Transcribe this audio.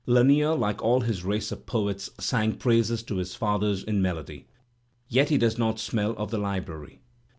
J Lanier, like all his race of poets, sang praises to his fathers in melody. Yet he does not smell of the Ubraiy.